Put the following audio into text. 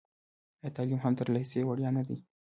آیا تعلیم هم تر لیسې وړیا نه دی؟